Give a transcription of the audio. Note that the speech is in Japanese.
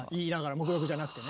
黙読じゃなくてね。